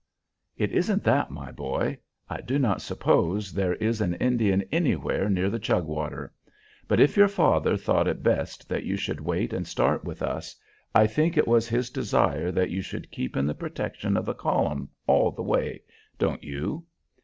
"It isn't that, my boy. I do not suppose there is an Indian anywhere near the Chugwater; but if your father thought it best that you should wait and start with us, I think it was his desire that you should keep in the protection of the column all the way. Don't you?"